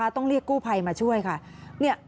ต้องเรียกกู้ภัยมาช่วยค่ะ